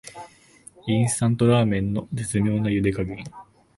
インスタントラーメンの絶妙なゆで加減